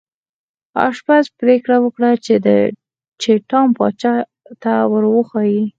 آشپز پریکړه وکړه چې ټام پاچا ته ور وښيي.